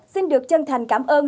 xin được chân thành cảm ơn